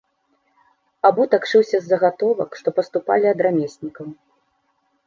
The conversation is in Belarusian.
Абутак шыўся з загатовак, што паступалі ад рамеснікаў.